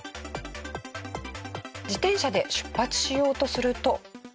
自転車で出発しようとすると。